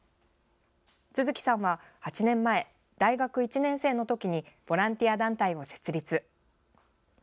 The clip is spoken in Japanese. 都築さんは、８年前大学１年生のときにボランティア団体を設立。